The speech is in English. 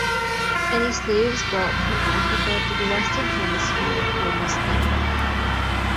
Many slaves brought from Africa to the Western hemisphere were Muslim.